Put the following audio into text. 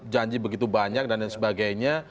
janji begitu banyak dan lain sebagainya